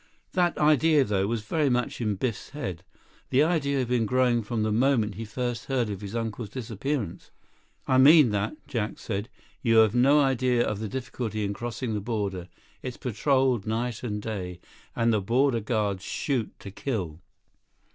That idea, though, was very much in Biff's head. The idea had been growing from the moment he first heard of his uncle's disappearance. "I mean that," Jack said. "You have no idea of the difficulty in crossing the border. It's patroled night and day. And the border guards shoot to kill."